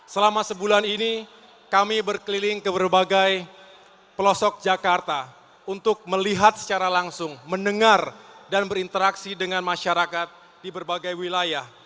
selama sebulan ini kami berkeliling ke berbagai pelosok jakarta untuk melihat secara langsung mendengar dan berinteraksi dengan masyarakat di berbagai wilayah